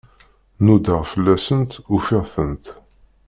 Nudaɣ fell-asent, ufiɣ-tent.